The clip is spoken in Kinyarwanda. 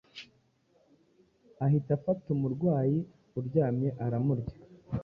ahita afata umurwanyi uryamyearamurya